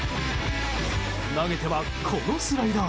投げてはこのスライダー。